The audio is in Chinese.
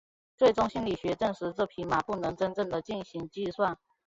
最终心理学家证实这匹马不能真正地进行计算。